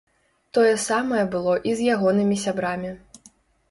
Тое самае было і з ягонымі сябрамі.